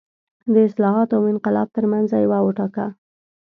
د اصلاحاتو او انقلاب ترمنځ یو وټاکه.